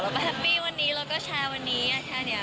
แบบวันนี้เราก็แชลวันนี้แค่นี้